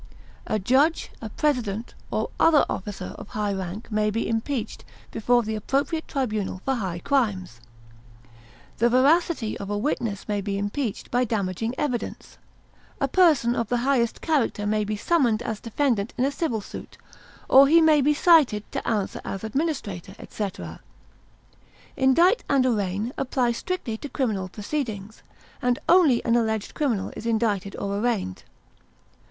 A judge, a president, or other officer of high rank may be impeached before the appropriate tribunal for high crimes; the veracity of a witness may be impeached by damaging evidence. A person of the highest character may be summoned as defendant in a civil suit; or he may be cited to answer as administrator, etc. Indict and arraign apply strictly to criminal proceedings, and only an alleged criminal is indicted or arraigned.